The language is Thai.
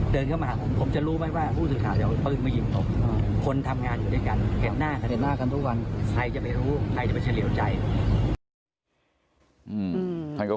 เดินเข้ามาผมจะรู้ไหมว่าผู้สื่อข่าวจะเอาเปลืองมาหยิบผม